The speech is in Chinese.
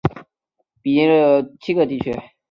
比耶克下面再划分为七个地区。